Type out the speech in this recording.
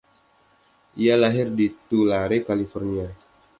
Ia lahir di Tulare, California.